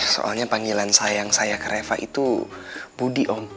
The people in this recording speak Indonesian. soalnya panggilan sayang saya ke reva itu budi om